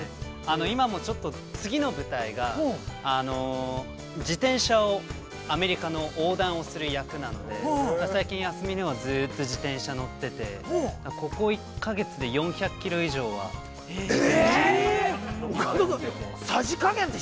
今もちょっと次の舞台が、自転車を、アメリカの横断をする役なので、最近休みには、自転車に乗ってて、ここ１か月で４００キロ以上は自転車に。